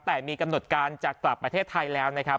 แต่มีกำหนดการจะกลับประเทศไทยแล้วนะครับ